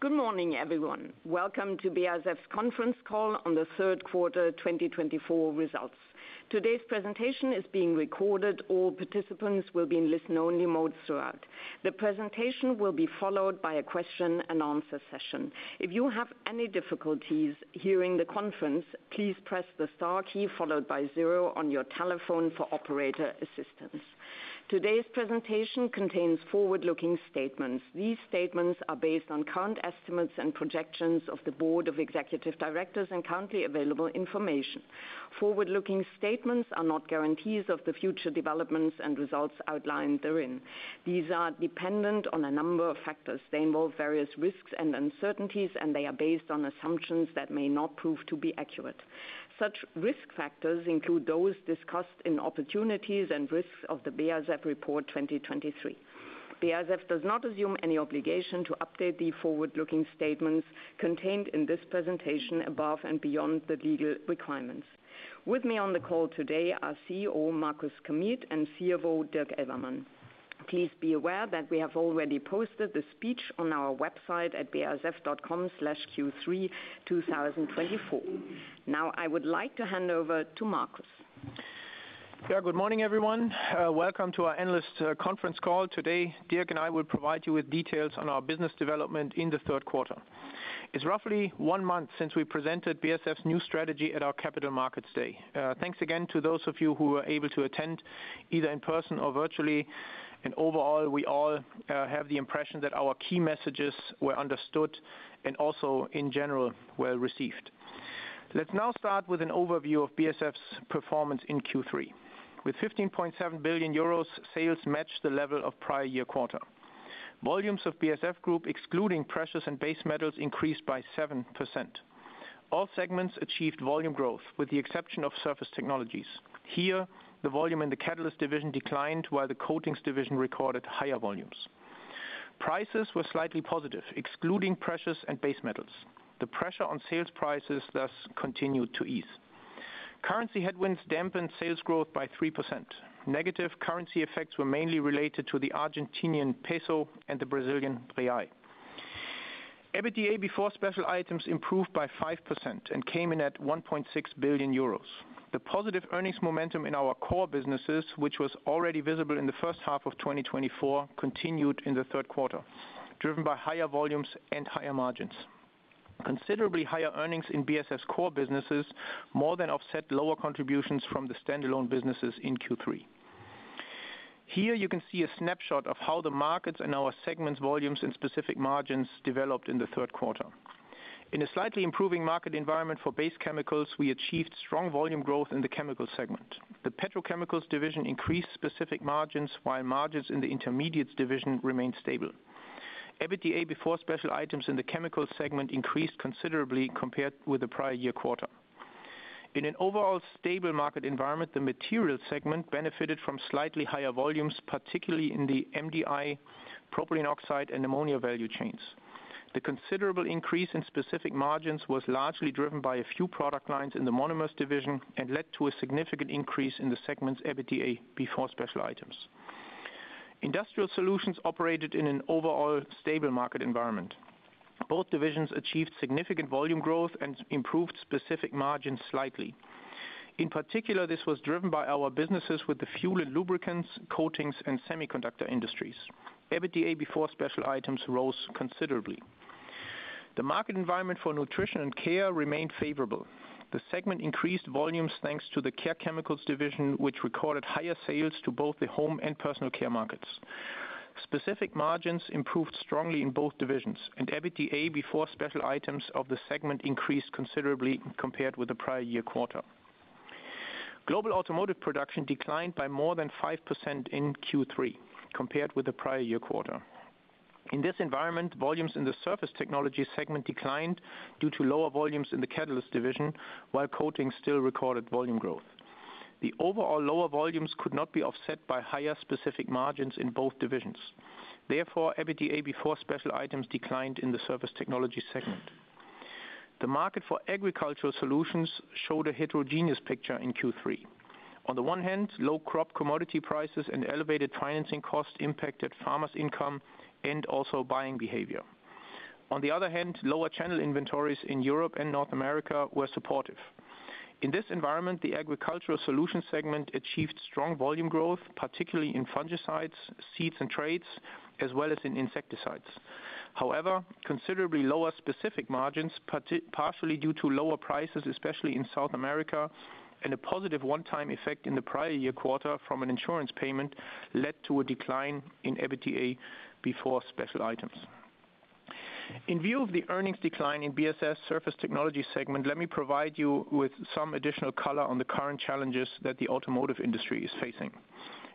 Good morning, everyone. Welcome to BASF's Conference Call on the 3rd Quarter 2024 Results. Today's presentation is being recorded. All participants will be in listen-only mode throughout. The presentation will be followed by a question-and-answer session. If you have any difficulties hearing the conference, please press the star key followed by zero on your telephone for operator assistance. Today's presentation contains forward-looking statements. These statements are based on current estimates and projections of the Board of Executive Directors and currently available information. Forward-looking statements are not guarantees of the future developments and results outlined therein. These are dependent on a number of factors. They involve various risks and uncertainties, and they are based on assumptions that may not prove to be accurate. Such risk factors include those discussed in Opportunities and Risks of the BASF Report 2023. BASF does not assume any obligation to update the forward-looking statements contained in this presentation above and beyond the legal requirements. With me on the call today are CEO Markus Kamieth and CFO Dirk Elvermann. Please be aware that we have already posted the speech on our website at basf.com/Q3-2024. Now, I would like to hand over to Markus. Yeah, good morning, everyone. Welcome to our earnings conference call. Today, Dirk and I will provide you with details on our business development in the third quarter. It's roughly one month since we presented BASF's new strategy at our Capital Markets Day. Thanks again to those of you who were able to attend either in person or virtually, and overall, we all have the impression that our key messages were understood and also, in general, well received. Let's now start with an overview of BASF's performance in Q3. With 15.7 billion euros, sales matched the level of prior-year quarter. Volumes of BASF Group, excluding precious and base metals, increased by 7%. All segments achieved volume growth, with the exception of surface technologies. Here, the volume in the catalyst division declined, while the coatings division recorded higher volumes. Prices were slightly positive, excluding precious and base metals. The pressure on sales prices thus continued to ease. Currency headwinds dampened sales growth by 3%. Negative currency effects were mainly related to the Argentinian peso and the Brazilian real. EBITDA before special items improved by 5% and came in at 1.6 billion euros. The positive earnings momentum in our core businesses, which was already visible in the 1st half of 2024, continued in the 3rd quarter, driven by higher volumes and higher margins. Considerably higher earnings in BASF's core businesses more than offset lower contributions from the standalone businesses in Q3. Here, you can see a snapshot of how the markets and our segments' volumes and specific margins developed in the 3rd quarter. In a slightly improving market environment for base chemicals, we achieved strong volume growth in the chemicals segment. The petrochemicals division increased specific margins, while margins in the intermediates division remained stable. EBITDA before special items in the Chemicals segment increased considerably compared with the prior year quarter. In an overall stable market environment, the Materials segment benefited from slightly higher volumes, particularly in the MDI, propylene oxide, and ammonia value chains. The considerable increase in specific margins was largely driven by a few product lines in the Monomers division and led to a significant increase in the segment's EBITDA before special items. Industrial Solutions operated in an overall stable market environment. Both divisions achieved significant volume growth and improved specific margins slightly. In particular, this was driven by our businesses with the fuel and lubricants, coatings, and semiconductor industries. EBITDA before special items rose considerably. The market environment for Nutrition & Care remained favorable. The segment increased volumes thanks to the Care Chemicals division, which recorded higher sales to both the home and personal care markets. Specific margins improved strongly in both divisions, and EBITDA before special items of the segment increased considerably compared with the prior year quarter. Global automotive production declined by more than 5% in Q3 compared with the prior year quarter. In this environment, volumes in the Surface Technologies segment declined due to lower volumes in the Catalysts division, while Coatings still recorded volume growth. The overall lower volumes could not be offset by higher specific margins in both divisions. Therefore, EBITDA before special items declined in the Surface Technologies segment. The market for Agricultural Solutions showed a heterogeneous picture in Q3. On the one hand, low crop commodity prices and elevated financing costs impacted farmers' income and also buying behavior. On the other hand, lower channel inventories in Europe and North America were supportive. In this environment, the agricultural solutions segment achieved strong volume growth, particularly in fungicides, seeds, and traits, as well as in insecticides. However, considerably lower specific margins, partially due to lower prices, especially in South America, and a positive one-time effect in the prior year quarter from an insurance payment led to a decline in EBITDA before special items. In view of the earnings decline in BASF's Surface Technologies segment, let me provide you with some additional color on the current challenges that the automotive industry is facing.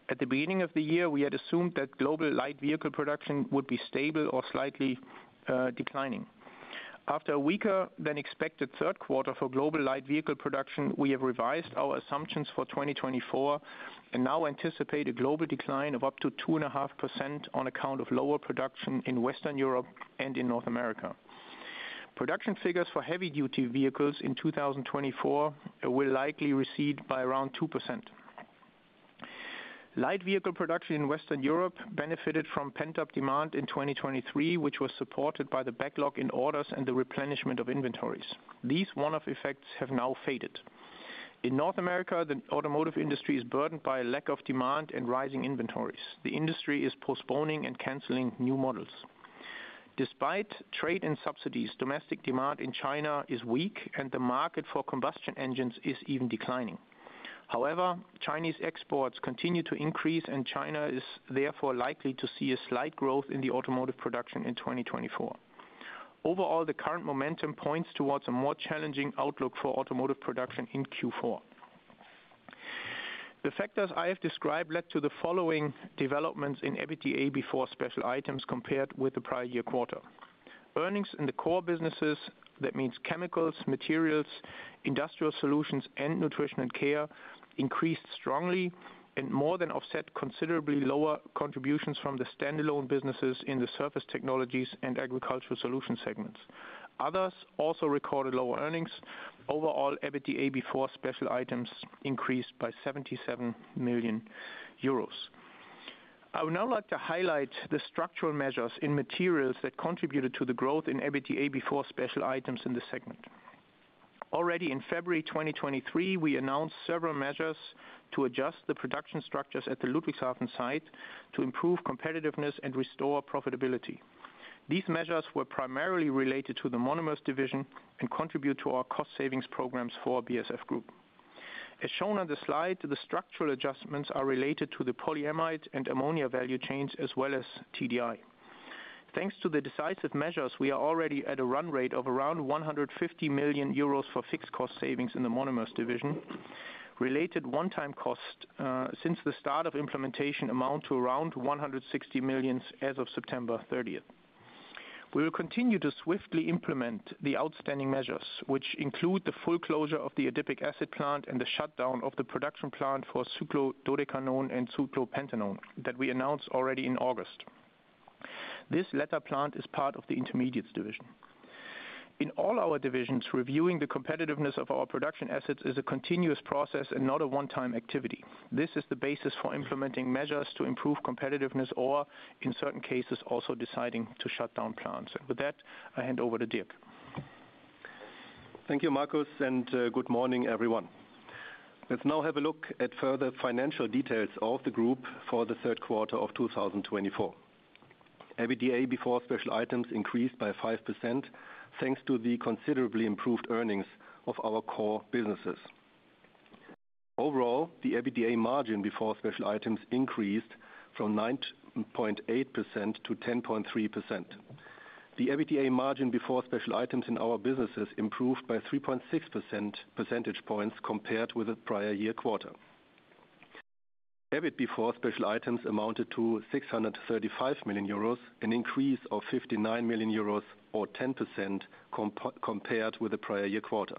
At the beginning of the year, we had assumed that global light vehicle production would be stable or slightly declining. After a weaker-than-expected 3rd quarter for global light vehicle production, we have revised our assumptions for 2024 and now anticipate a global decline of up to 2.5% on account of lower production in Western Europe and in North America. Production figures for heavy-duty vehicles in 2024, will likely recede by around 2%. Light vehicle production in Western Europe benefited from pent-up demand in 2023, which was supported by the backlog in orders and the replenishment of inventories. These one-off effects have now faded. In North America, the automotive industry is burdened by a lack of demand and rising inventories. The industry is postponing and canceling new models. Despite trade and subsidies, domestic demand in China is weak, and the market for combustion engines is even declining. However, Chinese exports continue to increase, and China is therefore likely to see a slight growth in the automotive production in 2024. Overall, the current momentum points towards a more challenging outlook for automotive production in Q4. The factors I have described led to the following developments in EBITDA before special items compared with the prior year quarter. Earnings in the core businesses, that means chemicals, materials, industrial solutions, and nutrition and care, increased strongly and more than offset considerably lower contributions from the standalone businesses in the surface technologies and agricultural solutions segments. Others also recorded lower earnings. Overall, EBITDA before special items increased by 77 million euros. I would now like to highlight the structural measures in materials that contributed to the growth in EBITDA before special items in the segment. Already in February 2023, we announced several measures to adjust the production structures at the Ludwigshafen site to improve competitiveness and restore profitability. These measures were primarily related to the monomers division and contribute to our cost savings programs for BASF Group. As shown on the slide, the structural adjustments are related to the polyamide and ammonia value chains, as well as TDI. Thanks to the decisive measures, we are already at a run rate of around 150 million euros for fixed cost savings in the Monomers division. Related one-time costs since the start of implementation amount to around 160 million as of September 30th. We will continue to swiftly implement the outstanding measures, which include the full closure of the adipic acid plant and the shutdown of the production plant for cyclododecanone and cyclopentanone that we announced already in August. This latter plant is part of the Intermediates division. In all our divisions, reviewing the competitiveness of our production assets is a continuous process and not a one-time activity. This is the basis for implementing measures to improve competitiveness or, in certain cases, also deciding to shut down plants. And with that, I hand over to Dirk. Thank you, Markus, and good morning, everyone. Let's now have a look at further financial details of the group for the 3rd quarter of 2024. EBITDA before special items increased by 5% thanks to the considerably improved earnings of our core businesses. Overall, the EBITDA margin before special items increased from 9.8%-10.3%. The EBITDA margin before special items in our businesses improved by 3.6% percentage points compared with the prior year quarter. EBIT before special items amounted to 635 million euros, an increase of 59 million euros or 10% compared with the prior year quarter.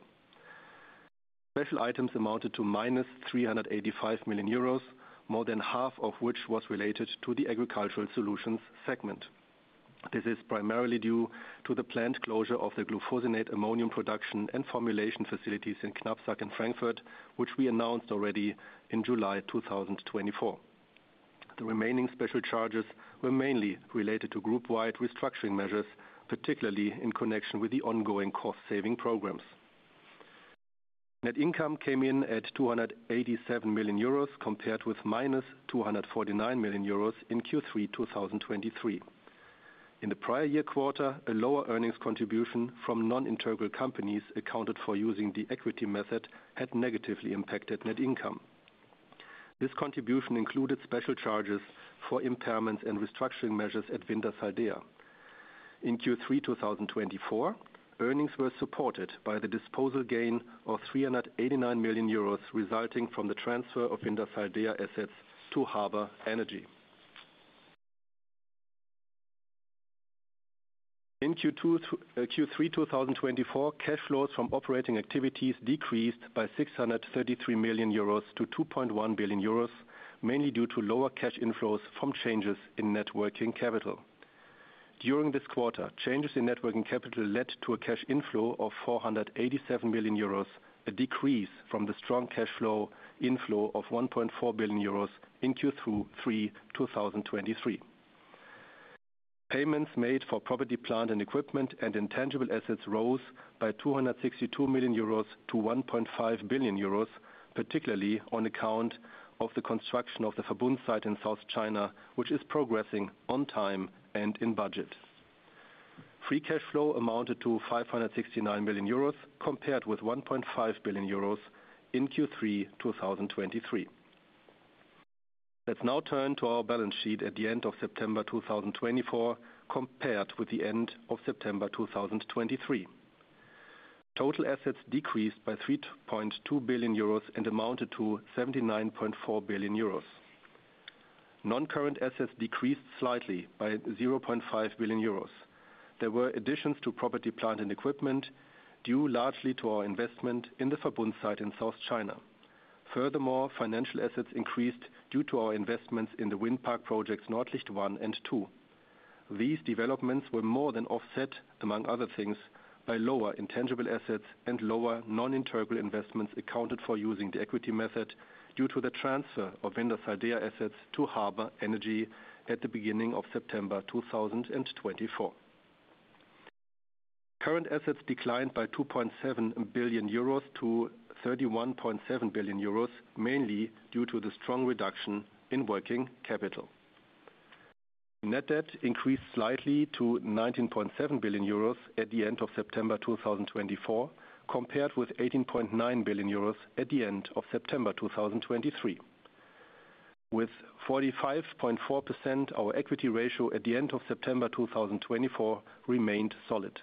Special items amounted to -385 million euros, more than half of which was related to the agricultural solutions segment. This is primarily due to the planned closure of the glufosinate ammonium production and formulation facilities in Knapsack and Frankfurt, which we announced already in July 2024. The remaining special charges were mainly related to group-wide restructuring measures, particularly in connection with the ongoing cost saving programs. Net income came in at 287 million euros compared with -249 million euros in Q3 2023. In the prior year quarter, a lower earnings contribution from non-integral companies accounted for using the equity method had negatively impacted net income. This contribution included special charges for impairments and restructuring measures at Wintershall Dea. In Q3 2024, earnings were supported by the disposal gain of 389 million euros resulting from the transfer of Wintershall Dea assets to Harbour Energy. In Q3 2024, cash flows from operating activities decreased by 633 million-2.1 billion euros, mainly due to lower cash inflows from changes in net working capital. During this quarter, changes in net working capital led to a cash inflow of 487 million euros, a decrease from the strong cash flow inflow of 1.4 billion euros in Q3 2023. Payments made for property plant and equipment and intangible assets rose by 262 million-1.5 billion euros, particularly on account of the construction of the Verbund site in South China, which is progressing on time and in budget. Free cash flow amounted to 569 million euros compared with 1.5 billion euros in Q3 2023. Let's now turn to our balance sheet at the end of September 2024 compared with the end of September 2023. Total assets decreased by 3.2 billion euros and amounted to 79.4 billion euros. Non-current assets decreased slightly by 0.5 billion euros. There were additions to property plant and equipment due largely to our investment in the Verbund site in South China. Furthermore, financial assets increased due to our investments in the wind park projects Nordlicht 1 and Nordlicht 2. These developments were more than offset, among other things, by lower intangible assets and lower non-integral investments accounted for using the equity method due to the transfer of Wintershall Dea assets to Harbour Energy at the beginning of September 2024. Current assets declined by 2.7 billion-31.7 billion euros, mainly due to the strong reduction in working capital. Net debt increased slightly to 19.7 billion euros at the end of September 2024 compared with 18.9 billion euros at the end of September 2023. With 45.4%, our equity ratio at the end of September 2024 remained solid.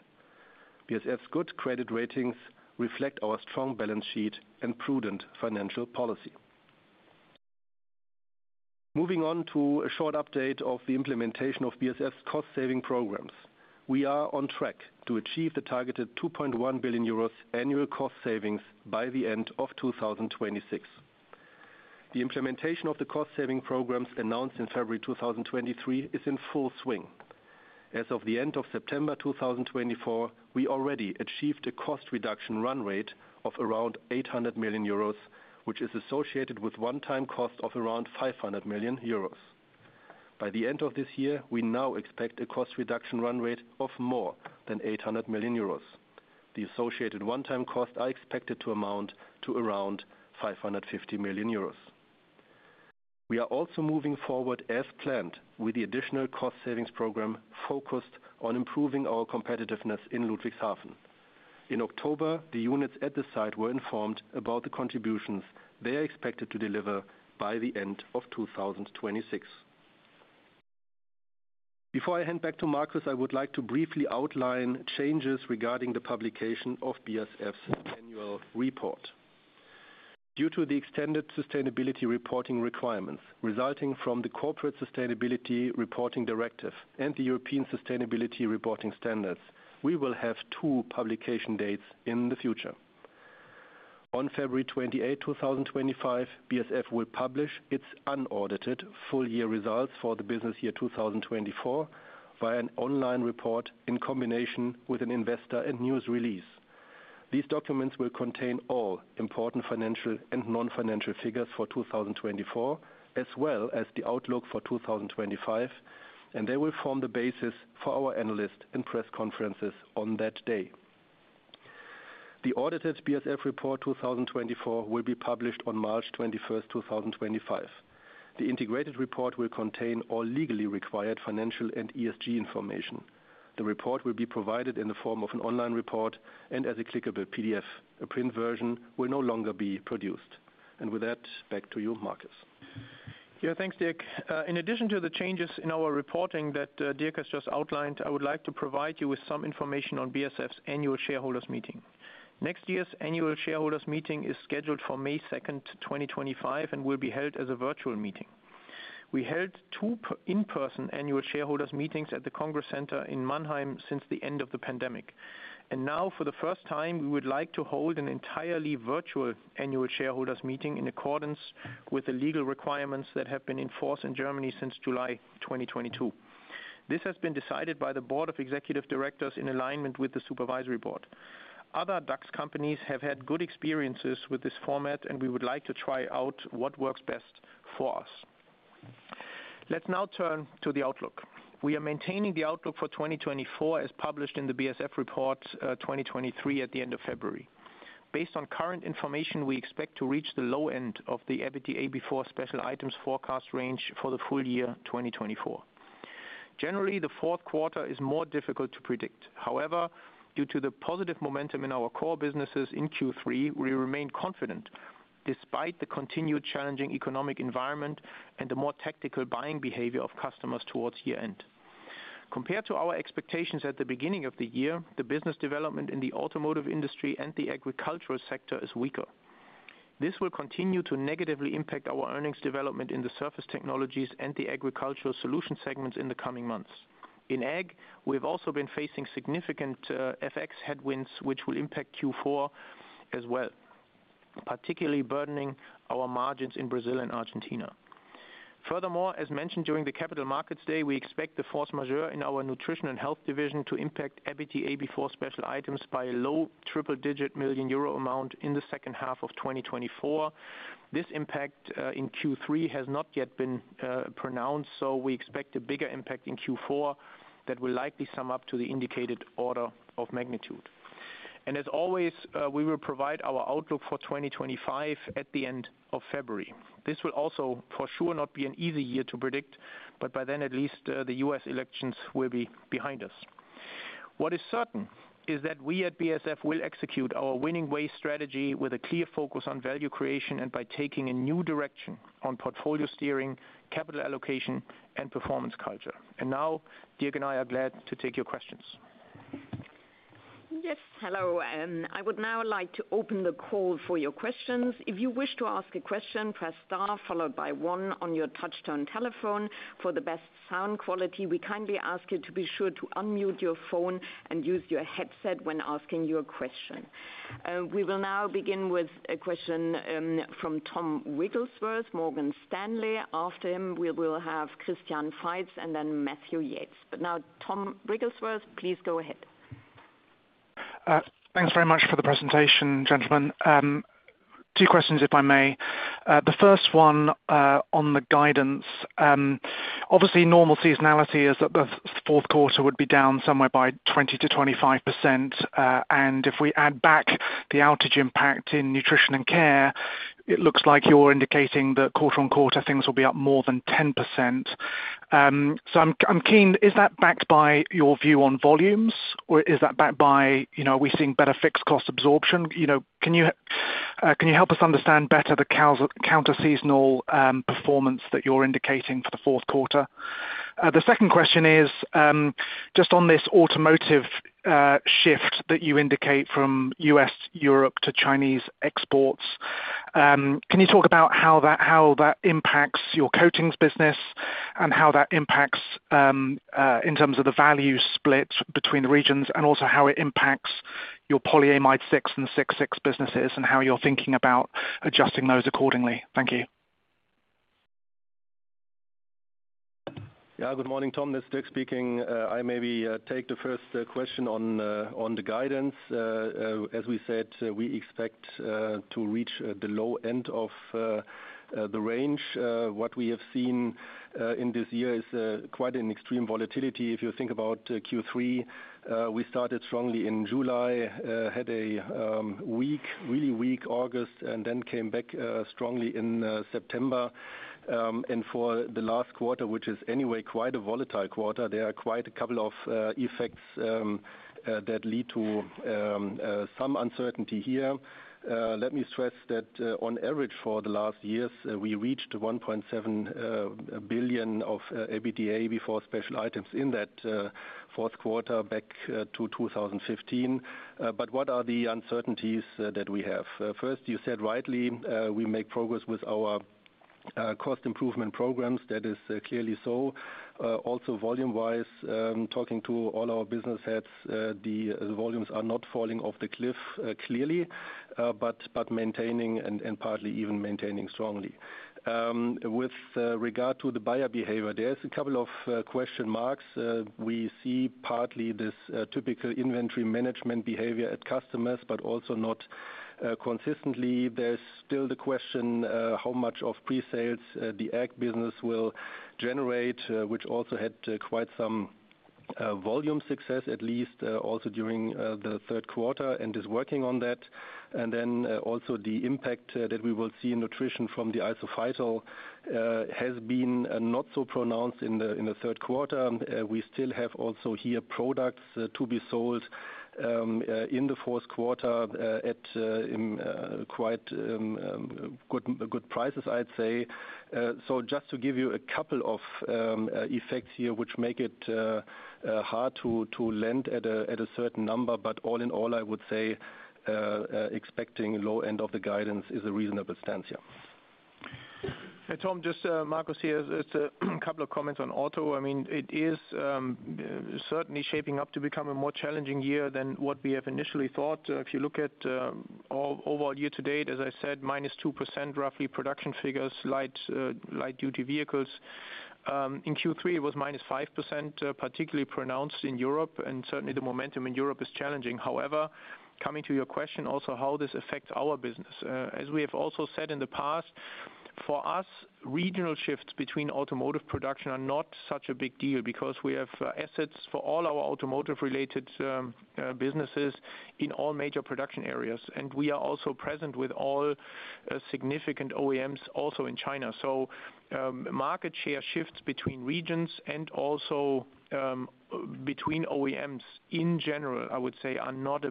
BASF's good credit ratings reflect our strong balance sheet and prudent financial policy. Moving on to a short update of the implementation of BASF's cost savings programs. We are on track to achieve the targeted 2.1 billion euros annual cost savings by the end of 2026. The implementation of the cost saving programs announced in February 2023 is in full swing. As of the end of September 2024, we already achieved a cost reduction run rate of around 800 million euros, which is associated with a one-time cost of around 500 million euros. By the end of this year, we now expect a cost reduction run rate of more than 800 million euros. The associated one-time cost is expected to amount to around 550 million euros. We are also moving forward as planned with the additional cost savings program focused on improving our competitiveness in Ludwigshafen. In October, the units at the site were informed about the contributions they are expected to deliver by the end of 2026. Before I hand back to Markus, I would like to briefly outline changes regarding the publication of BASF's annual report. Due to the extended sustainability reporting requirements resulting from the Corporate Sustainability Reporting Directive and the European Sustainability Reporting Standards, we will have two publication dates in the future. On February 28th, 2025, BASF will publish its unaudited full-year results for the business year 2024 via an online report in combination with an investor and news release. These documents will contain all important financial and non-financial figures for 2024, as well as the outlook for 2025, and they will form the basis for our analysts and press conferences on that day. The audited BASF report 2024 will be published on March 21st, 2025. The integrated report will contain all legally required financial and ESG information. The report will be provided in the form of an online report and as a clickable PDF. A print version will no longer be produced, and with that, back to you, Markus. Yeah, thanks, Dirk. In addition to the changes in our reporting that Dirk has just outlined, I would like to provide you with some information on BASF's annual shareholders meeting. Next year's annual shareholders meeting is scheduled for May 2nd, 2025, and will be held as a virtual meeting. We held two in-person annual shareholders meetings at the Congress Center in Mannheim since the end of the pandemic, and now, for the first time, we would like to hold an entirely virtual annual shareholders meeting in accordance with the legal requirements that have been enforced in Germany since July 2022. This has been decided by the Board of Executive Directors in alignment with the Supervisory Board. Other DAX companies have had good experiences with this format, and we would like to try out what works best for us. Let's now turn to the outlook. We are maintaining the outlook for 2024 as published in the BASF Report 2023 at the end of February. Based on current information, we expect to reach the low end of the EBITDA before special items forecast range for the full year 2024. Generally, the 4th quarter is more difficult to predict. However, due to the positive momentum in our core businesses in Q3, we remain confident despite the continued challenging economic environment and the more tactical buying behavior of customers towards year-end. Compared to our expectations at the beginning of the year, the business development in the automotive industry and the agricultural sector is weaker. This will continue to negatively impact our earnings development in the Surface Technologies and the Agricultural Solutions segments in the coming months. In ag, we have also been facing significant FX headwinds, which will impact Q4 as well, particularly burdening our margins in Brazil and Argentina. Furthermore, as mentioned during the Capital Markets Day, we expect the force majeure in our nutrition and health division to impact EBITDA before special items by a low triple-digit million EUR amount in the 2nd half of 2024. This impact in Q3 has not yet been pronounced, so we expect a bigger impact in Q4 that will likely sum up to the indicated order of magnitude, and as always, we will provide our outlook for 2025 at the end of February. This will also, for sure, not be an easy year to predict, but by then, at least the U.S. elections will be behind us. What is certain is that we at BASF will execute our Winning Ways strategy with a clear focus on value creation and by taking a new direction on portfolio steering, capital allocation, and performance culture. Now, Dirk and I are glad to take your questions. Yes, hello. I would now like to open the call for your questions. If you wish to ask a question, press star followed by one on your touch-tone telephone. For the best sound quality, we kindly ask you to be sure to unmute your phone and use your headset when asking your question. We will now begin with a question from Tom Wigglesworth, Morgan Stanley. After him, we will have Christian Faitz and then Matthew Yates. But now, Tom Wigglesworth, please go ahead. Thanks very much for the presentation, gentlemen. Two questions, if I may. The first one on the guidance. Obviously, normal seasonality is that the 4th quarter would be down somewhere by 20%-25%. And if we add back the outage impact in nutrition and care, it looks like you're indicating that quarter-on-quarter things will be up more than 10%. So I'm keen, is that backed by your view on volumes or is that backed by, are we seeing better fixed cost absorption? Can you help us understand better the counter-seasonal performance that you're indicating for the 4th quarter? The second question is just on this automotive shift that you indicate from U.S., Europe, to Chinese exports. Can you talk about how that impacts your coatings business and how that impacts in terms of the value split between the regions and also how it impacts your polyamide 6 and 6.6 businesses and how you're thinking about adjusting those accordingly? Thank you. Yeah, good morning, Tom. This is Dirk speaking. I maybe take the first question on the guidance. As we said, we expect to reach the low end of the range. What we have seen in this year is quite an extreme volatility. If you think about Q3, we started strongly in July, had a weak, really weak August, and then came back strongly in September. And for the last quarter, which is anyway quite a volatile quarter, there are quite a couple of effects that lead to some uncertainty here. Let me stress that on average for the last years, we reached 1.7 billion of EBITDA before special items in that 4th quarter back to 2015. But what are the uncertainties that we have? First, you said rightly, we make progress with our cost improvement programs. That is clearly so. Also, volume-wise, talking to all our business heads, the volumes are not falling off the cliff clearly, but maintaining and partly even maintaining strongly. With regard to the buyer behavior, there's a couple of question marks. We see partly this typical inventory management behavior at customers, but also not consistently. There's still the question how much of pre-sales the ag business will generate, which also had quite some volume success, at least also during the 3rd quarter, and is working on that. And then also the impact that we will see in nutrition from the isophytol has been not so pronounced in the 3rd quarter. We still have also here products to be sold in the 4th quarter at quite good prices, I'd say. So just to give you a couple of effects here, which make it hard to lend at a certain number, but all in all, I would say expecting low end of the guidance is a reasonable stance here. Yeah, Tom, just Markus here. It's a couple of comments on auto. I mean, it is certainly shaping up to become a more challenging year than what we have initially thought. If you look at our overall year-to-date, as I said, minus 2% roughly production figures, light-duty vehicles. In Q3, it was minus 5%, particularly pronounced in Europe, and certainly the momentum in Europe is challenging. However, coming to your question also how this affects our business. As we have also said in the past, for us, regional shifts between automotive production are not such a big deal because we have assets for all our automotive-related businesses in all major production areas, and we are also present with all significant OEMs also in China. So market share shifts between regions and also between OEMs in general, I would say, are not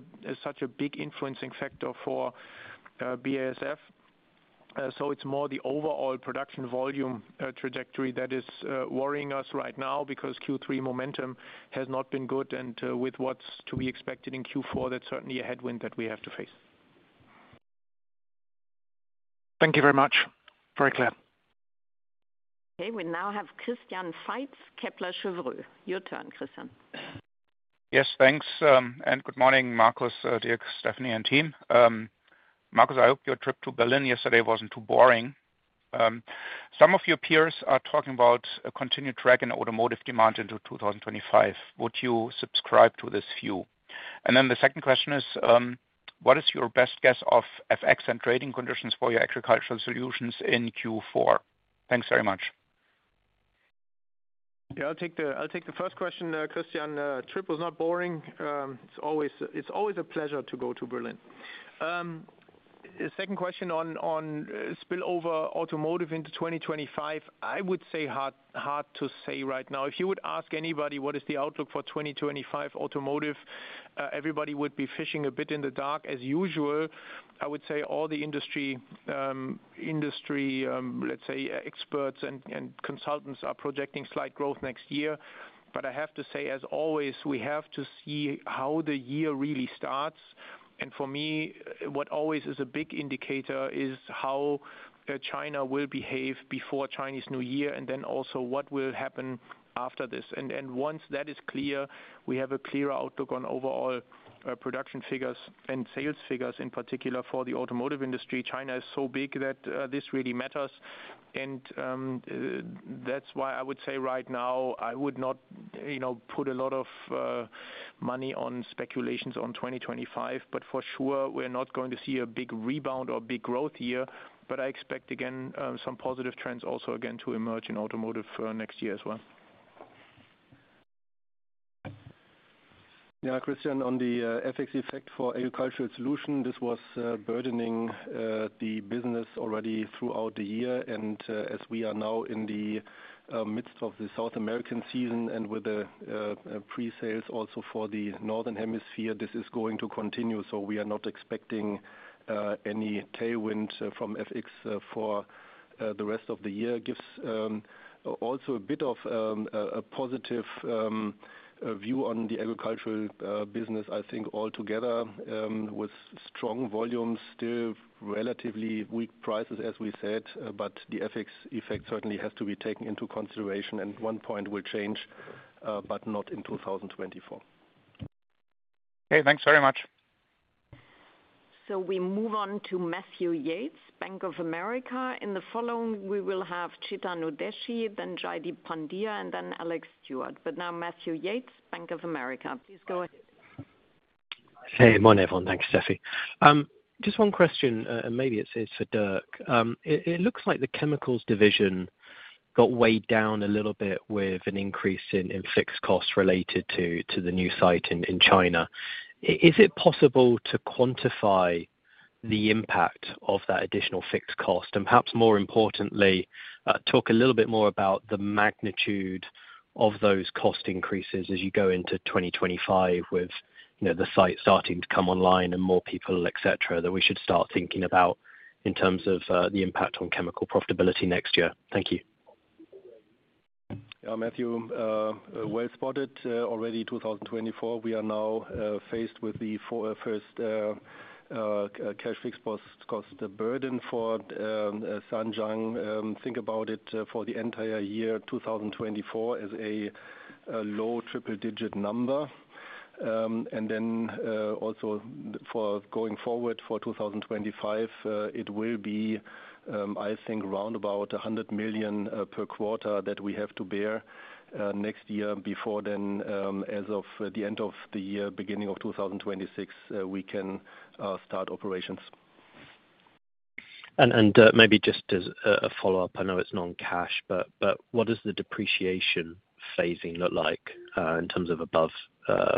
such a big influencing factor for BASF. So it's more the overall production volume trajectory that is worrying us right now because Q3 momentum has not been good, and with what's to be expected in Q4, that's certainly a headwind that we have to face. Thank you very much. Very clear. Okay, we now have Christian Faitz, Kepler Cheuvreux. Your turn, Christian. Yes, thanks. And good morning, Markus, Dirk, Stefanie, and team. Markus, I hope your trip to Berlin yesterday wasn't too boring. Some of your peers are talking about a continued drag in automotive demand into 2025. Would you subscribe to this view? And then the second question is, what is your best guess of FX and trading conditions for your agricultural solutions in Q4? Thanks very much. Yeah, I'll take the first question, Christian. Trip was not boring. It's always a pleasure to go to Berlin. The second question on spillover automotive into 2025, I would say hard to say right now. If you would ask anybody what is the outlook for 2025 automotive, everybody would be fishing a bit in the dark as usual. I would say all the industry, let's say, experts and consultants are projecting slight growth next year. But I have to say, as always, we have to see how the year really starts. And for me, what always is a big indicator is how China will behave before Chinese New Year and then also what will happen after this. And once that is clear, we have a clearer outlook on overall production figures and sales figures in particular for the automotive industry. China is so big that this really matters. That's why I would say right now, I would not put a lot of money on speculations on 2025, but for sure, we're not going to see a big rebound or big growth here. I expect, again, some positive trends also again to emerge in automotive next year as well. Yeah, Christian, on the FX effect for agricultural solutions, this was burdening the business already throughout the year. As we are now in the midst of the South American season and with the pre-sales also for the northern hemisphere, this is going to continue. We are not expecting any tailwind from FX for the rest of the year. Gives also a bit of a positive view on the agricultural business, I think, altogether with strong volumes, still relatively weak prices, as we said, but the FX effect certainly has to be taken into consideration. One point will change, but not in 2024. Okay, thanks very much. We move on to Matthew Yates, Bank of America. In the following, we will have Chetan Udeshi, then Jaideep Pandya, and then Alex Stewart. Now, Matthew Yates, Bank of America. Please go ahead. Hey, morning everyone. Thanks, Steffi. Just one question, and maybe it's for Dirk. It looks like the chemicals division got weighed down a little bit with an increase in fixed costs related to the new site in China. Is it possible to quantify the impact of that additional fixed cost? And perhaps more importantly, talk a little bit more about the magnitude of those cost increases as you go into 2025 with the site starting to come online and more people, etc., that we should start thinking about in terms of the impact on chemical profitability next year. Thank you. Yeah, Matthew, well spotted. Already 2024, we are now faced with the first cash fixed cost burden for Zhanjiang. Think about it for the entire year 2024 as a low triple-digit number, and then also for going forward for 2025, it will be, I think, round about 100 million per quarter that we have to bear next year before then, as of the end of the year, beginning of 2026, we can start operations. Maybe just as a follow-up, I know it's non-cash, but what does the depreciation phasing look like in terms of above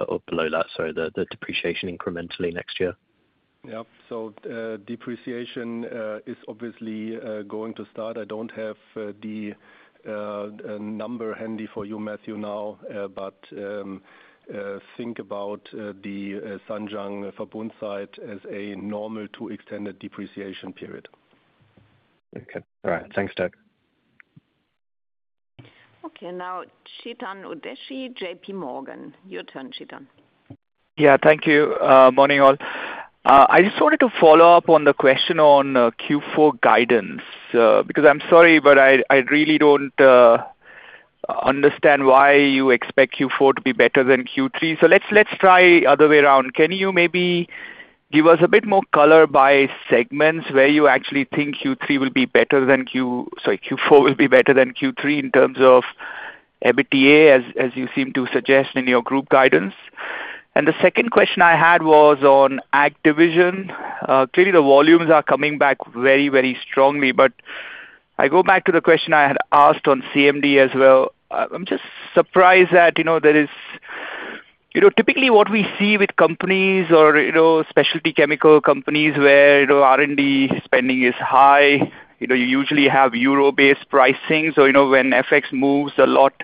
or below that, sorry, the depreciation incrementally next year? Yeah, so depreciation is obviously going to start. I don't have the number handy for you, Matthew, now, but think about the Zhanjiang Verbund site as a normal to extended depreciation period. Okay, all right. Thanks, Dirk. Okay, now, Chetan Udeshi, J.P. Morgan. Your turn, Chetan. Yeah, thank you. Morning all. I just wanted to follow up on the question on Q4 guidance because I'm sorry, but I really don't understand why you expect Q4 to be better than Q3. So let's try the other way around. Can you maybe give us a bit more color by segments where you actually think Q4 will be better than Q3 in terms of EBITDA, as you seem to suggest in your group guidance? And the second question I had was on ag division. Clearly, the volumes are coming back very, very strongly. But I go back to the question I had asked on CMD as well. I'm just surprised that there is typically what we see with companies or specialty chemical companies where R&D spending is high, you usually have euro-based pricing. So when FX moves a lot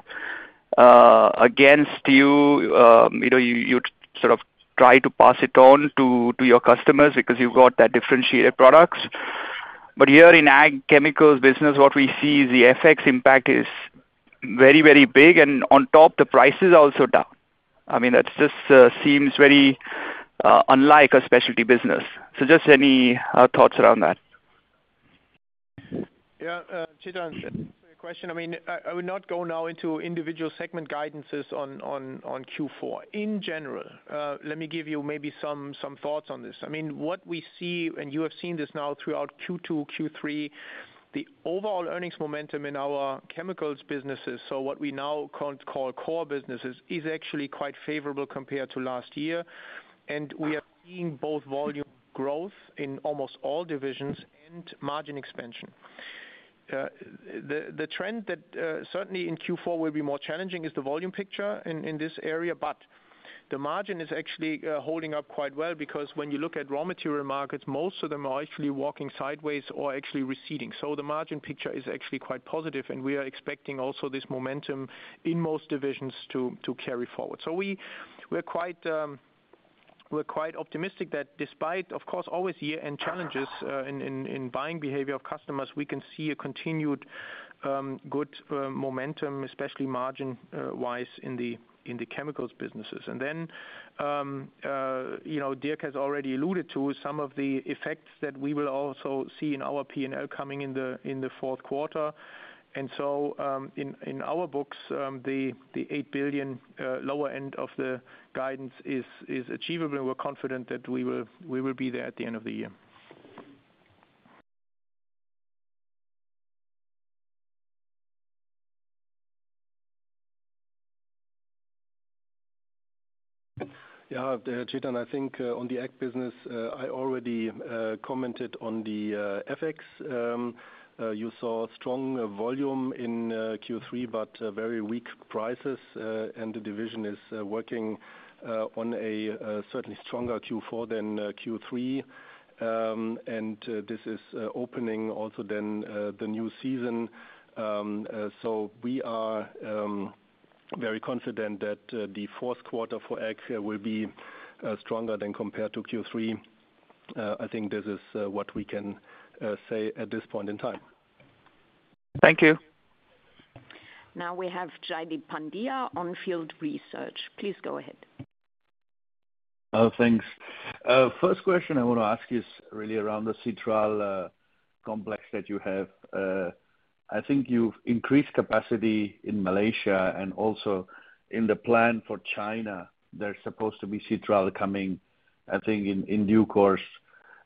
against you, you sort of try to pass it on to your customers because you've got that differentiated products. But here in ag chemicals business, what we see is the FX impact is very, very big, and on top, the prices are also down. I mean, that just seems very unlike a specialty business. So just any thoughts around that? Yeah, Chetan, question. I mean, I would not go now into individual segment guidances on Q4. In general, let me give you maybe some thoughts on this. I mean, what we see, and you have seen this now throughout Q2, Q3, the overall earnings momentum in our chemicals businesses, so what we now call core businesses, is actually quite favorable compared to last year. We are seeing both volume growth in almost all divisions and margin expansion. The trend that certainly in Q4 will be more challenging is the volume picture in this area, but the margin is actually holding up quite well because when you look at raw material markets, most of them are actually walking sideways or actually receding. So the margin picture is actually quite positive, and we are expecting also this momentum in most divisions to carry forward. So we're quite optimistic that despite, of course, always year-end challenges in buying behavior of customers, we can see a continued good momentum, especially margin-wise in the chemicals businesses. And then Dirk has already alluded to some of the effects that we will also see in our P&L coming in the 4th quarter. And so in our books, the 8 billion lower end of the guidance is achievable, and we're confident that we will be there at the end of the year. Yeah, Chetan, I think on the ag business, I already commented on the FX. You saw strong volume in Q3, but very weak prices, and the division is working on a certainly stronger Q4 than Q3, and this is opening also then the new season, so we are very confident that the 4th quarter for ag will be stronger than compared to Q3. I think this is what we can say at this point in time. Thank you. Now we have Jaideep Pandya, On Field Research. Please go ahead. Thanks. First question I want to ask you is really around the citral complex that you have. I think you've increased capacity in Malaysia and also in the plan for China. There's supposed to be citral coming, I think, in due course.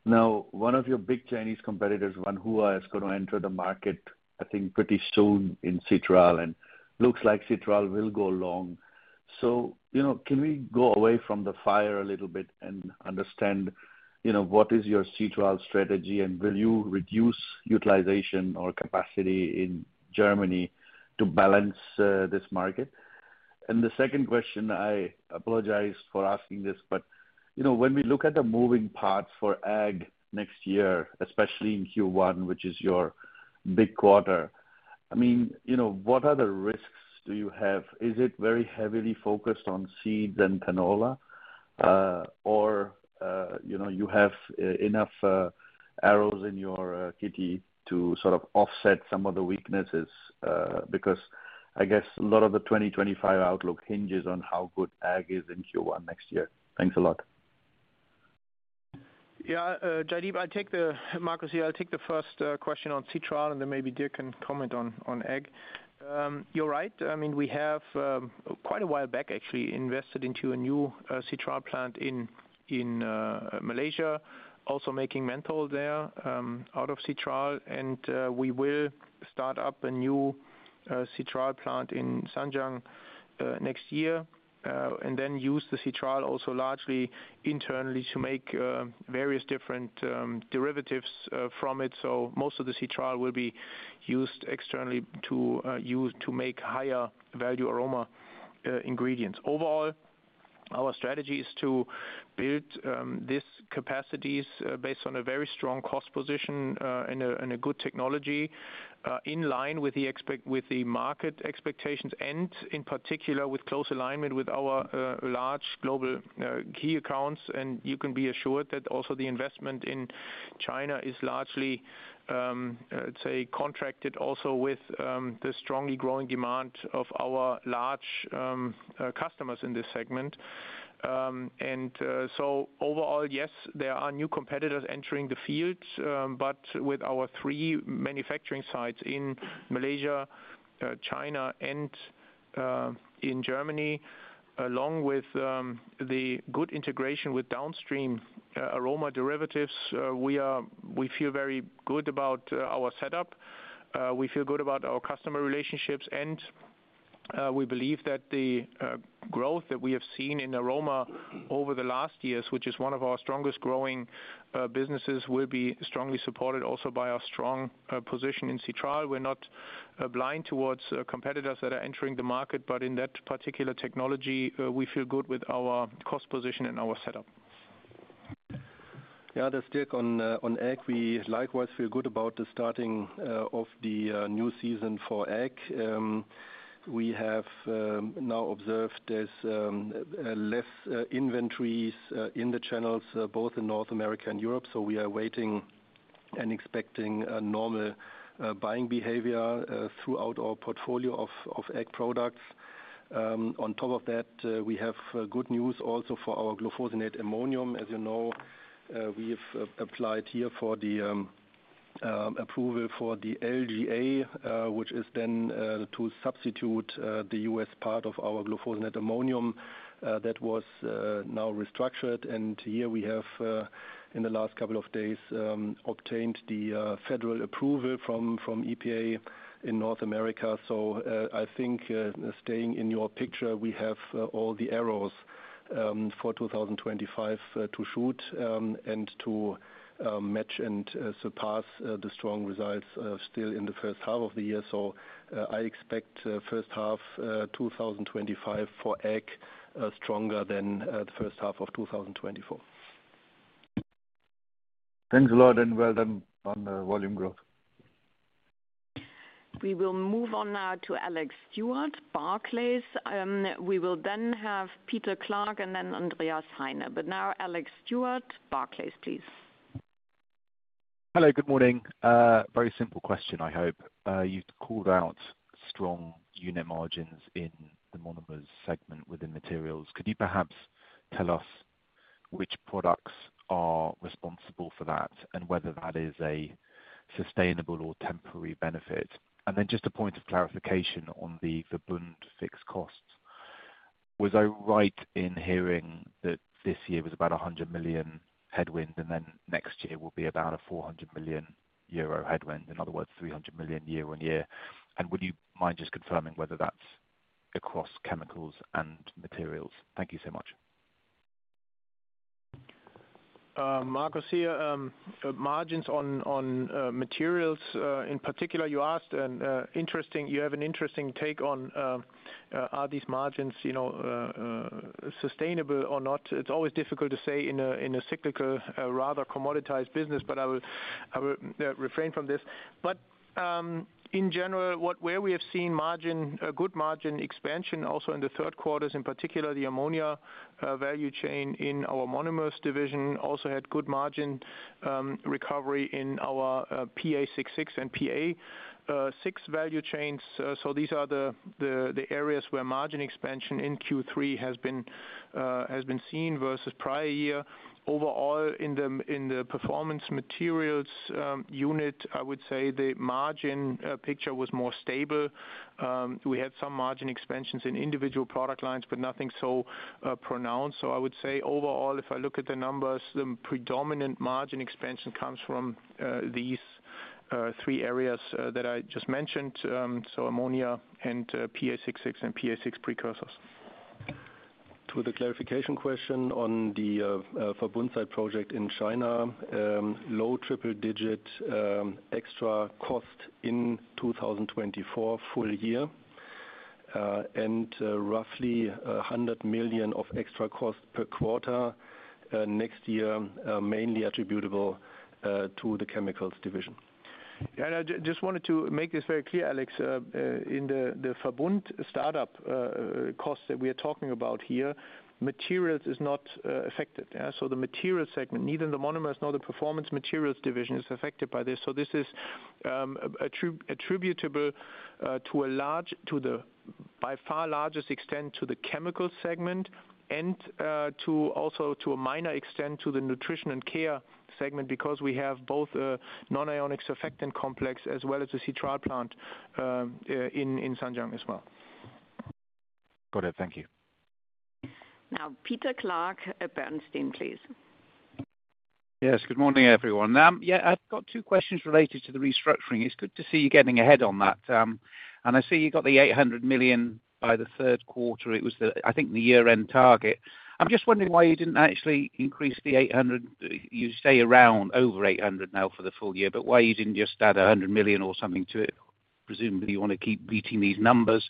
Now, one of your big Chinese competitors, Wanhua, is going to enter the market, I think, pretty soon in citral, and looks like citral will go long. So can we go away from the fire a little bit and understand what is your citral strategy, and will you reduce utilization or capacity in Germany to balance this market? And the second question, I apologize for asking this, but when we look at the moving parts for ag next year, especially in Q1, which is your big quarter, I mean, what other risks do you have? Is it very heavily focused on seeds and canola, or you have enough arrows in your kitty to sort of offset some of the weaknesses? Because I guess a lot of the 2025 outlook hinges on how good ag is in Q1 next year. Thanks a lot. Yeah, Jaideep, I'll take the first question on Citral, and then maybe Dirk can comment on ag. You're right. I mean, we have quite a while back actually invested into a new Citral plant in Malaysia, also making menthol there out of Citral. And we will start up a new Citral plant in Zhanjiang next year and then use the Citral also largely internally to make various different derivatives from it. So most of the Citral will be used externally to make higher value aroma ingredients. Overall, our strategy is to build these capacities based on a very strong cost position and a good technology in line with the market expectations and in particular with close alignment with our large global key accounts. You can be assured that also the investment in China is largely, let's say, contracted also with the strongly growing demand of our large customers in this segment. So overall, yes, there are new competitors entering the field, but with our three manufacturing sites in Malaysia, China, and in Germany, along with the good integration with downstream aroma derivatives, we feel very good about our setup. We feel good about our customer relationships, and we believe that the growth that we have seen in aroma over the last years, which is one of our strongest growing businesses, will be strongly supported also by our strong position in Citral. We're not blind towards competitors that are entering the market, but in that particular technology, we feel good with our cost position and our setup. Yeah, Dirk, on ag, we likewise feel good about the starting of the new season for ag. We have now observed there's less inventories in the channels, both in North America and Europe. So we are waiting and expecting normal buying behavior throughout our portfolio of ag products. On top of that, we have good news also for our glufosinate ammonium. As you know, we've applied here for the approval for the LGA, which is then to substitute the U.S. part of our glufosinate ammonium that was now restructured. And here we have, in the last couple of days, obtained the federal approval from EPA in North America. So I think staying in your picture, we have all the arrows for 2025 to shoot and to match and surpass the strong results still in the 1st half of the year. I expect 1st half 2025 for ag stronger than the 1st half of 2024. Thanks a lot and well done on the volume growth. We will move on now to Alex Stewart, Barclays. We will then have Peter Clark and then Andreas Heine. But now, Alex Stewart, Barclays, please. Hello, good morning. Very simple question, I hope. You've called out strong unit margins in the monomers segment within materials. Could you perhaps tell us which products are responsible for that and whether that is a sustainable or temporary benefit? And then just a point of clarification on the Verbund fixed costs. Was I right in hearing that this year was about 100 million headwind and then next year will be about a 400 million euro headwind, in other words, 300 million year-on-year? And would you mind just confirming whether that's across chemicals and materials? Thank you so much. Markus here, margins on materials in particular you asked, and interesting, you have an interesting take on are these margins sustainable or not. It's always difficult to say in a cyclical, rather commoditized business, but I will refrain from this. But in general, where we have seen good margin expansion, also in the 3rd quarters, in particular the ammonia value chain in our monomers division, also had good margin recovery in our PA66 and PA6 value chains. So these are the areas where margin expansion in Q3 has been seen versus prior year. Overall, in the performance materials unit, I would say the margin picture was more stable. We had some margin expansions in individual product lines, but nothing so pronounced. So I would say overall, if I look at the numbers, the predominant margin expansion comes from these three areas that I just mentioned, so ammonia and PA66 and PA6 precursors. To the clarification question on the Verbund site project in China, low triple-digit extra cost in 2024 full year and roughly 100 million of extra cost per quarter next year, mainly attributable to the chemicals division. Yeah, and I just wanted to make this very clear, Alex. In the Verbund startup costs that we are talking about here, materials is not affected. So the material segment, neither the monomers nor the performance materials division is affected by this. So this is attributable to a large, to the by far largest extent to the chemicals segment and to also to a minor extent to the nutrition and care segment because we have both a non-ionic surfactant complex as well as the Citral plant in Zhanjiang as well. Got it. Thank you. Now, Peter Clark, Bernstein, please. Yes, good morning, everyone. Yeah, I've got two questions related to the restructuring. It's good to see you getting ahead on that. And I see you got the 800 million by the 3rd quarter. It was, I think, the year-end target. I'm just wondering why you didn't actually increase the 800 million. You stay around over 800 million now for the full year, but why you didn't just add 100 million or something to it. Presumably, you want to keep beating these numbers.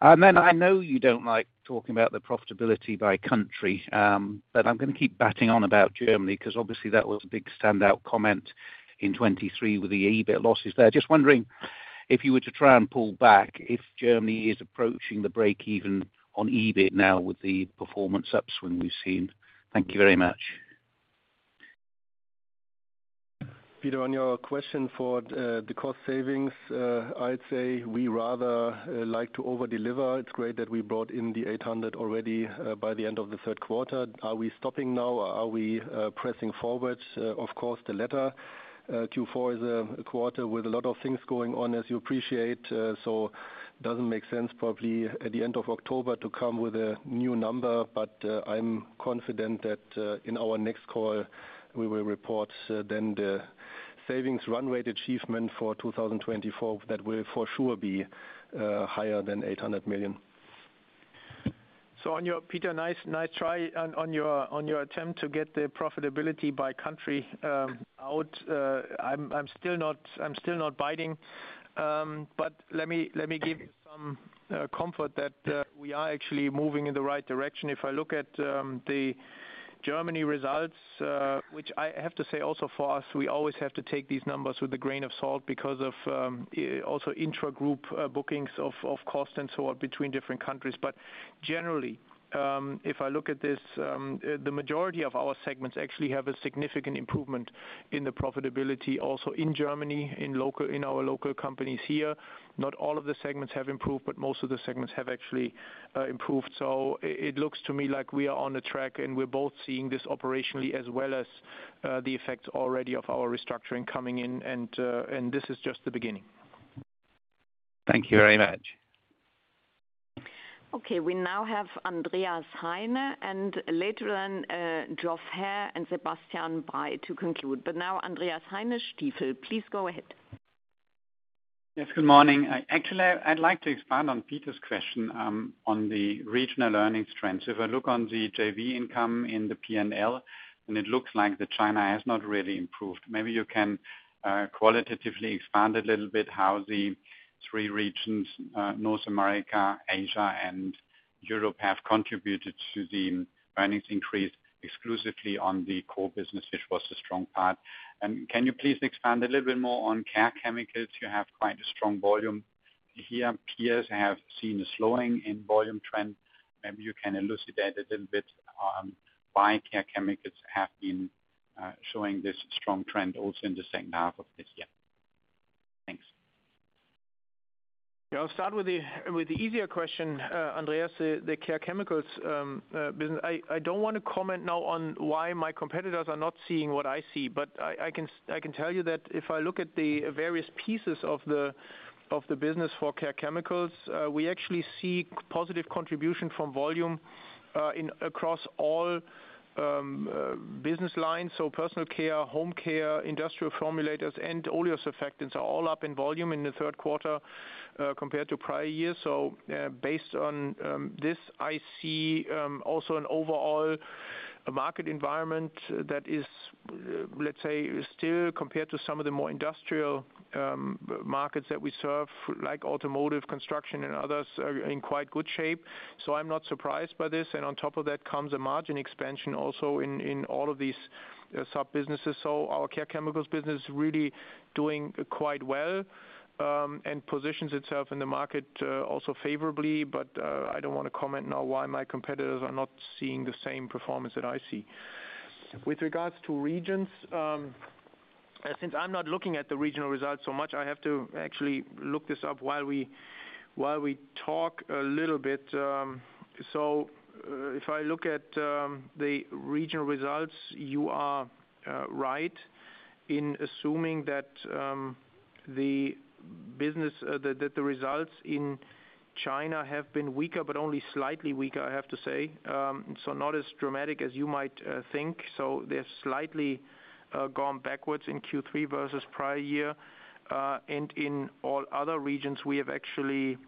And then I know you don't like talking about the profitability by country, but I'm going to keep batting on about Germany because obviously that was a big standout comment in 2023 with the EBIT losses there. Just wondering if you were to try and pull back if Germany is approaching the break-even on EBIT now with the performance upswing we've seen. Thank you very much. Peter, on your question for the cost savings, I'd say we rather like to overdeliver. It's great that we brought in the 800 million already by the end of the 3rd quarter. Are we stopping now? Are we pressing forward? Of course, the latter Q4 is a quarter with a lot of things going on, as you appreciate. So it doesn't make sense probably at the end of October to come with a new number, but I'm confident that in our next call, we will report then the savings run rate achievement for 2024 that will for sure be higher than 800 million. So, on your, Peter, nice try on your attempt to get the profitability by country out. I'm still not biting, but let me give you some comfort that we are actually moving in the right direction. If I look at the German results, which I have to say also for us, we always have to take these numbers with a grain of salt because of also intra-group bookings of cost and so on between different countries. But generally, if I look at this, the majority of our segments actually have a significant improvement in the profitability also in Germany, in our local companies here. Not all of the segments have improved, but most of the segments have actually improved. So it looks to me like we are on the track and we're both seeing this operationally as well as the effects already of our restructuring coming in, and this is just the beginning. Thank you very much. Okay, we now have Andreas Heine and later then Geoff Haire and Sebastian Bray to conclude. But now Andreas Heine, Stifel, please go ahead. Yes, good morning. Actually, I'd like to expand on Peter's question on the regional earnings trends. If I look on the JV income in the P&L, then it looks like China has not really improved. Maybe you can qualitatively expand a little bit how the three regions, North America, Asia, and Europe have contributed to the earnings increase exclusively on the core business, which was the strong part. And can you please expand a little bit more on care chemicals? You have quite a strong volume here. Peers have seen a slowing in volume trend. Maybe you can elucidate a little bit why care chemicals have been showing this strong trend also in the 2nd half of this year. Thanks. I'll start with the easier question, Andreas, the care chemicals business. I don't want to comment now on why my competitors are not seeing what I see, but I can tell you that if I look at the various pieces of the business for care chemicals, we actually see positive contribution from volume across all business lines. So personal care, home care, industrial formulators, and oleosurfactants are all up in volume in the 3rd quarter compared to prior years. So based on this, I see also an overall market environment that is, let's say, still compared to some of the more industrial markets that we serve, like automotive, construction, and others, in quite good shape. So I'm not surprised by this. And on top of that comes a margin expansion also in all of these sub-businesses. So our care chemicals business is really doing quite well and positions itself in the market also favorably. But I don't want to comment now why my competitors are not seeing the same performance that I see. With regards to regions, since I'm not looking at the regional results so much, I have to actually look this up while we talk a little bit. So if I look at the regional results, you are right in assuming that the results in China have been weaker, but only slightly weaker, I have to say. So not as traumatic as you might think, so they've slightly gone backwards in Q3 versus prior year. And in all other regions, we have actually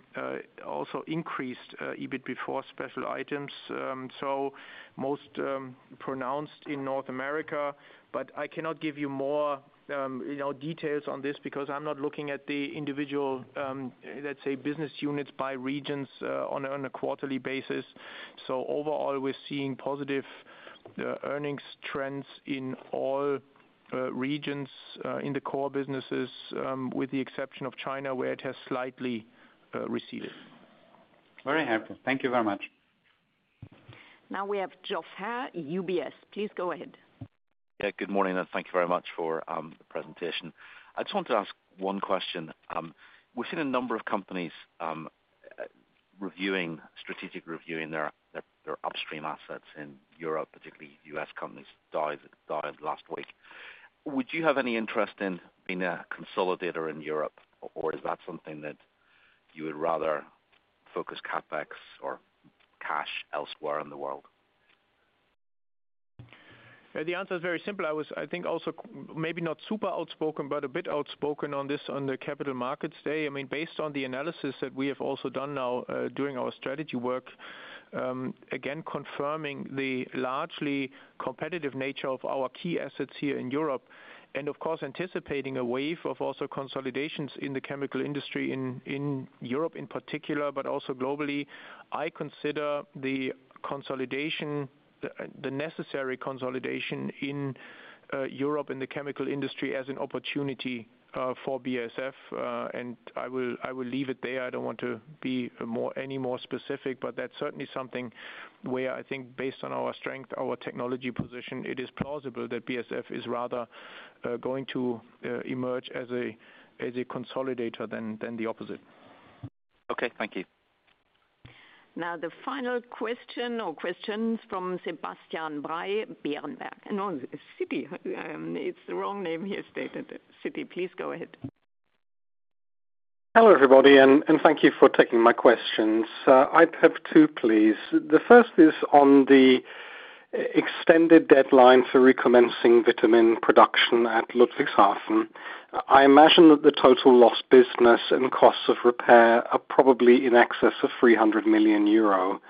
also increased EBIT before special items. So most pronounced in North America. But I cannot give you more details on this because I'm not looking at the individual, let's say, business units by regions on a quarterly basis. So overall, we're seeing positive earnings trends in all regions in the core businesses, with the exception of China where it has slightly receded. Very helpful. Thank you very much. Now we have Geoff Haire UBS. Please go ahead. Yeah, good morning and thank you very much for the presentation. I just wanted to ask one question. We've seen a number of companies reviewing, strategically reviewing their upstream assets in Europe, particularly U.S. companies that divested last week. Would you have any interest in being a consolidator in Europe, or is that something that you would rather focus CapEx or cash elsewhere in the world? The answer is very simple. I was, I think, also maybe not super outspoken, but a bit outspoken on this on the Capital Markets Day. I mean, based on the analysis that we have also done now during our strategy work, again, confirming the largely competitive nature of our key assets here in Europe, and of course, anticipating a wave of also consolidations in the chemical industry in Europe in particular, but also globally, I consider the consolidation, the necessary consolidation in Europe in the chemical industry as an opportunity for BASF, and I will leave it there. I don't want to be any more specific, but that's certainly something where I think based on our strength, our technology position, it is plausible that BASF is rather going to emerge as a consolidator than the opposite. Okay, thank you. Now the final question or questions from Sebastian Bray, Berenberg. No, Steffi. It's the wrong name he stated. Steffi, please go ahead. Hello everybody, and thank you for taking my questions. I'd have two, please. The first is on the extended deadline for recommencing vitamin production at Ludwigshafen. I imagine that the total lost business and costs of repair are probably in excess of 300 million euro.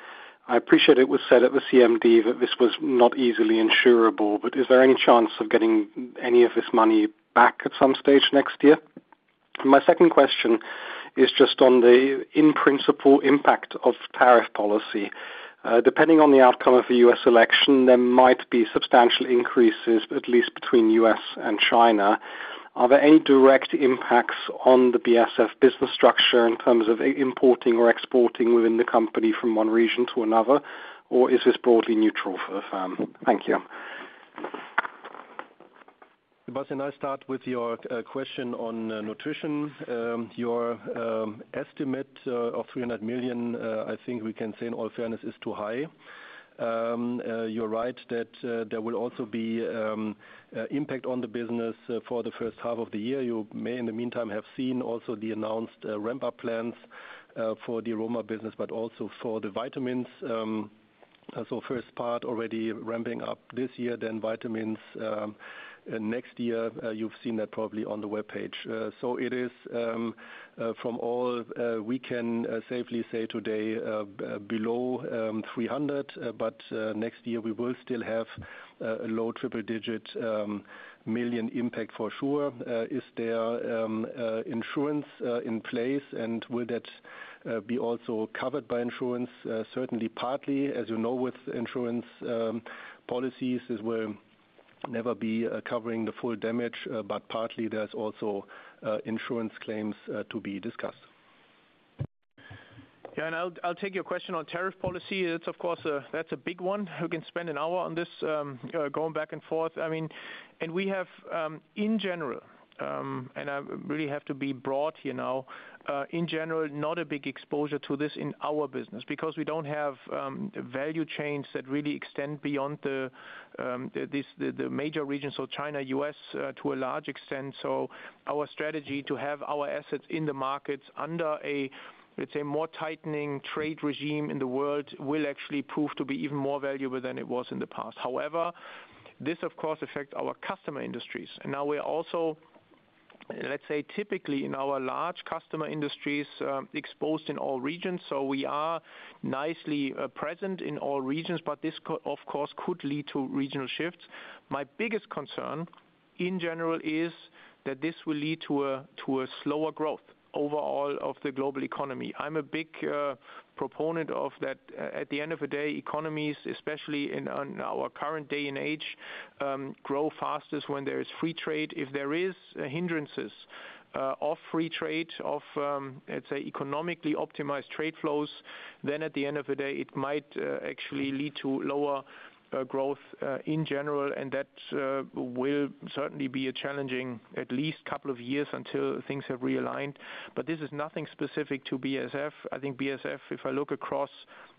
I appreciate it was said at the CMD that this was not easily insurable, but is there any chance of getting any of this money back at some stage next year? My second question is just on the in-principle impact of tariff policy. Depending on the outcome of the U.S. election, there might be substantial increases, at least between U.S. and China. Are there any direct impacts on the BASF business structure in terms of importing or exporting within the company from one region to another, or is this broadly neutral for the firm? Thank you. Sebastian, I'll start with your question on nutrition. Your estimate of 300 million, I think we can say in all fairness is too high. You're right that there will also be an impact on the business for the 1st half of the year. You may in the meantime have seen also the announced ramp-up plans for the aroma business, but also for the vitamins. So first part already ramping up this year, then vitamins next year. You've seen that probably on the webpage. So it is, from all we can safely say today, below 300 million, but next year we will still have a low triple-digit million impact for sure. Is there insurance in place, and will that be also covered by insurance? Certainly partly, as you know, with insurance policies, this will never be covering the full damage, but partly there's also insurance claims to be discussed. Yeah, and I'll take your question on tariff policy. It's, of course, that's a big one. Who can spend an hour on this going back and forth? I mean, and we have, in general, and I really have to be broad here now, in general, not a big exposure to this in our business because we don't have value chains that really extend beyond the major regions, so China, U.S., to a large extent. So our strategy to have our assets in the markets under a, let's say, more tightening trade regime in the world will actually prove to be even more valuable than it was in the past. However, this, of course, affects our customer industries. And now we are also, let's say, typically in our large customer industries exposed in all regions. So we are nicely present in all regions, but this, of course, could lead to regional shifts. My biggest concern in general is that this will lead to a slower growth overall of the global economy. I'm a big proponent of that. At the end of the day, economies, especially in our current day and age, grow fastest when there is free trade. If there are hindrances of free trade, of, let's say, economically optimized trade flows, then at the end of the day, it might actually lead to lower growth in general. And that will certainly be a challenging at least couple of years until things have realigned. But this is nothing specific to BASF. I think BASF, if I look across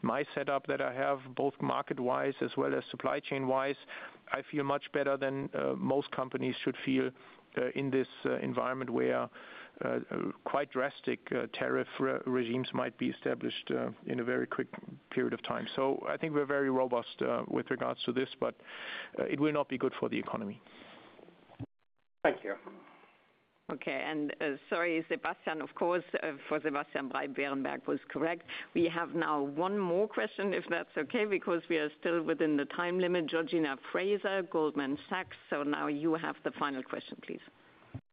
my setup that I have, both market-wise as well as supply chain-wise, I feel much better than most companies should feel in this environment where quite drastic tariff regimes might be established in a very quick period of time, so I think we're very robust with regards to this, but it will not be good for the economy. Thank you. Okay, and sorry, Sebastian, of course, for Sebastian Berenberg was correct. We have now one more question, if that's okay, because we are still within the time limit, Georgina Fraser, Goldman Sachs. So now you have the final question, please.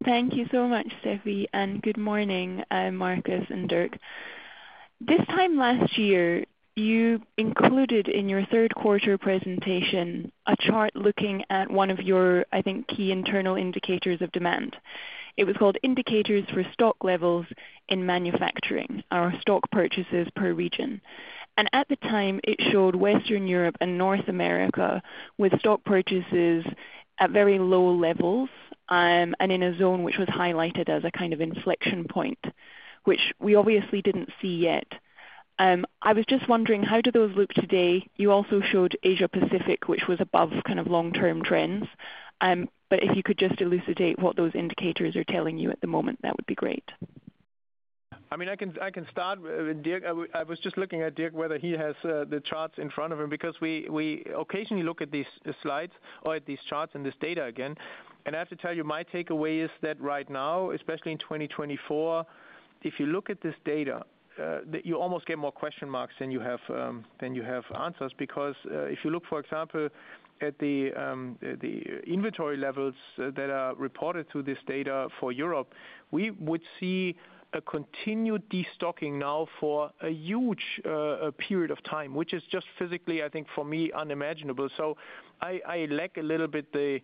Thank you so much, Steffi, and good morning, Markus and Dirk. This time last year, you included in your 3rd quarter presentation a chart looking at one of your, I think, key internal indicators of demand. It was called Indicators for Stock Levels in Manufacturing or Stock Purchases per Region. And at the time, it showed Western Europe and North America with stock purchases at very low levels and in a zone which was highlighted as a kind of inflection point, which we obviously didn't see yet. I was just wondering, how do those look today? You also showed Asia-Pacific, which was above kind of long-term trends. But if you could just elucidate what those indicators are telling you at the moment, that would be great. I mean, I can start with Dirk. I was just looking at Dirk, whether he has the charts in front of him, because we occasionally look at these slides or at these charts and this data again. And I have to tell you, my takeaway is that right now, especially in 2024, if you look at this data, you almost get more question marks than you have answers. Because if you look, for example, at the inventory levels that are reported through this data for Europe, we would see a continued destocking now for a huge period of time, which is just physically, I think, for me, unimaginable. So I lack a little bit the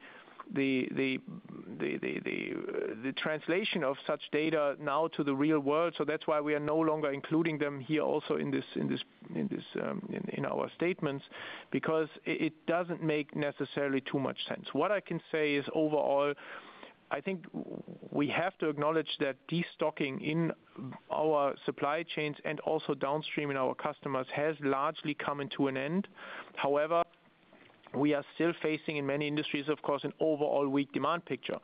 translation of such data now to the real world. So that's why we are no longer including them here also in our statements, because it doesn't make necessarily too much sense. What I can say is overall, I think we have to acknowledge that destocking in our supply chains and also downstream in our customers has largely come to an end. However, we are still facing, in many industries, of course, an overall weak demand picture,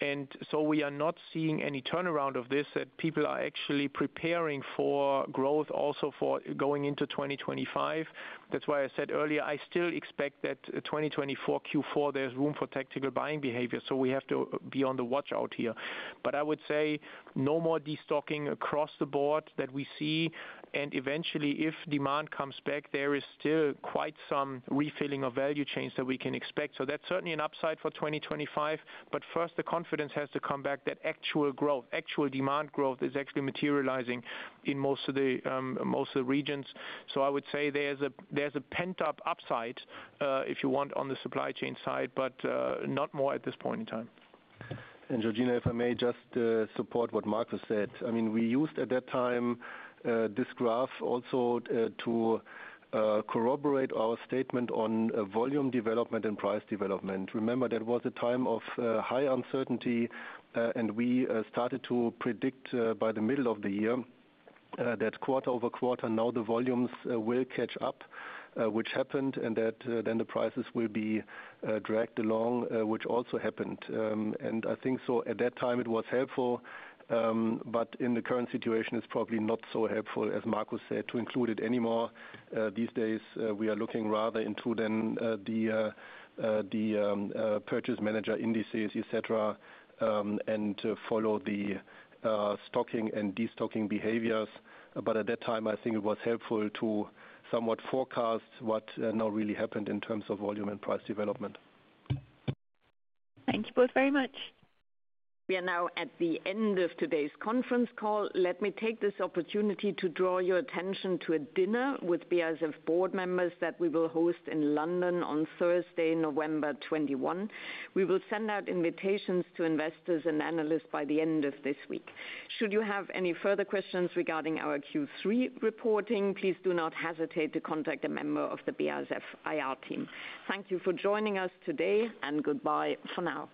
and so we are not seeing any turnaround of this, that people are actually preparing for growth also for going into 2025. That's why I said earlier, I still expect that 2024 Q4, there's room for tactical buying behavior, so we have to be on the watch out here. But I would say no more destocking across the board that we see, and eventually, if demand comes back, there is still quite some refilling of value chains that we can expect, so that's certainly an upside for 2025. But first, the confidence has to come back that actual growth, actual demand growth is actually materializing in most of the regions. So I would say there's a pent-up upside, if you want, on the supply chain side, but not more at this point in time. Georgina, if I may just support what Markus said. I mean, we used at that time this graph also to corroborate our statement on volume development and price development. Remember, that was a time of high uncertainty, and we started to predict by the middle of the year that quarter-over-quarter, now the volumes will catch up, which happened, and that then the prices will be dragged along, which also happened. I think so at that time, it was helpful, but in the current situation, it's probably not so helpful, as Markus said, to include it anymore. These days, we are looking rather into then the Purchasing Managers' Indices, etc., and follow the stocking and destocking behaviors. At that time, I think it was helpful to somewhat forecast what now really happened in terms of volume and price development. Thank you both very much. We are now at the end of today's conference call. Let me take this opportunity to draw your attention to a dinner with BASF board members that we will host in London on Thursday, November 21st. We will send out invitations to investors and analysts by the end of this week. Should you have any further questions regarding our Q3 reporting, please do not hesitate to contact a member of the BASF IR team. Thank you for joining us today, and goodbye for now.